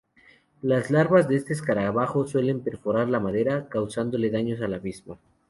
Las larvas de este escarabajo suelen perforar la madera, causándole daños a la misma.